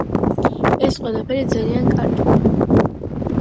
ეს ყველაფერი ძალიან კარგი.